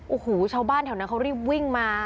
โอ้โหชาวบ้านแถวนั้นเขารีบวิ่งมา